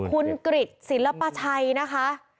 คุณกริจศิลปชัยนะคะ